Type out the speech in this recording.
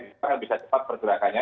kita akan bisa cepat pergerakannya